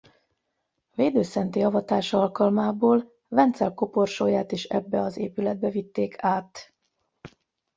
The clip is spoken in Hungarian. Védőszentté avatása alkalmából Vencel koporsóját is ebbe az épületbe vitték át.